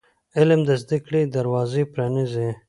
علم د زده کړې دروازې پرانیزي.